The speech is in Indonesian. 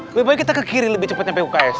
lebih baik kita ke kiri lebih cepatnya pak ustadz